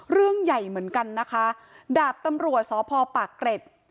เรื่องใหญ่เหมือนกันนะคะดาบตำรวจสพปากเกร็ด